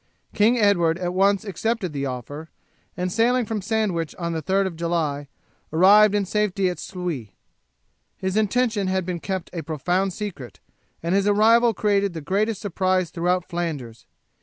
King Edward at once accepted the offer, and sailing from Sandwich on the 3d of July arrived in safety at Sluys. His intention had been kept a profound secret, and his arrival created the greatest surprise throughout Flanders.